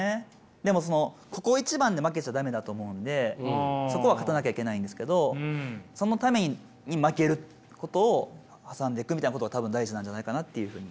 でもそのここ一番で負けちゃ駄目だと思うんでそこは勝たなきゃいけないんですけどそのために負けることを挟んでいくみたいなことが多分大事なんじゃないかなっていうふうに。